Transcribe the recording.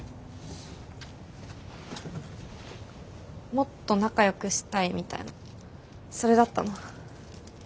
もっと仲よくしたいみたいのそれだったの？